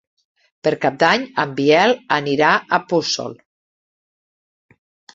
Per Cap d'Any en Biel anirà a Puçol.